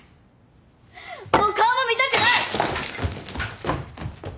もう顔も見たくない！